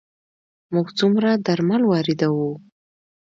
موږ څومره درمل واردوو؟